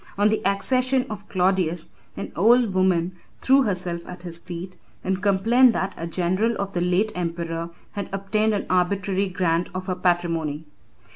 On the accession of Claudius, an old woman threw herself at his feet, and complained that a general of the late emperor had obtained an arbitrary grant of her patrimony.